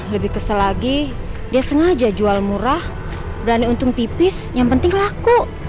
lebih kesel lagi dia sengaja jual murah berani untung tipis yang penting laku